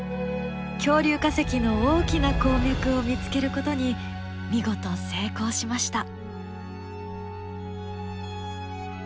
恐竜化石の大きな鉱脈を見つけることに見事成功しました！